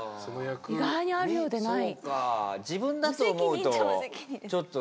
意外にあるようでない。